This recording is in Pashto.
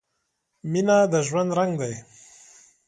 • مینه د ژوند رنګ دی.